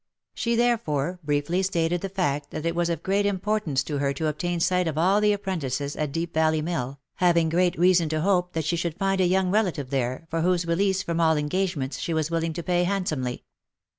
She, therefore, briefly stated the fact that it was of great importance to her to obtain sight of all the apprentices at Deep Valley Mill, having great reason to hope that she should find a young relative there, for whose release from all engagements she was willing to pay handsomely.